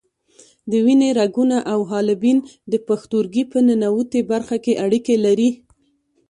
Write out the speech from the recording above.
د وینې رګونه او حالبین د پښتورګي په ننوتي برخه کې اړیکې لري.